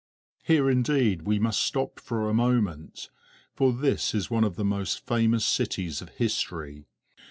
Here indeed we must stop for a moment, for this is one of the most famous cities of history.